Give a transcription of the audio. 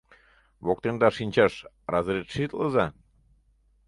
Воктенда шинчаш разрешитлыза...